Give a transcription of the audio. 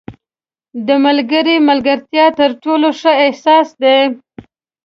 • د ملګري ملګرتیا تر ټولو ښه احساس دی.